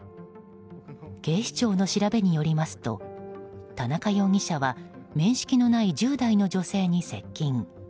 警視庁の調べによりますと田中容疑者は面識のない１０代の女性に接近。